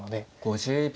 ５０秒。